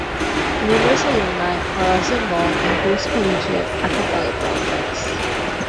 Numerous alumni are also involved in post-collegiate a cappella projects.